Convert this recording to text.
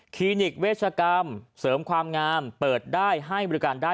นิกเวชกรรมเสริมความงามเปิดได้ให้บริการได้